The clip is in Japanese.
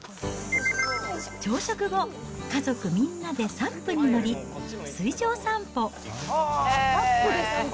朝食後、家族みんなでサップに乗り、水上散歩。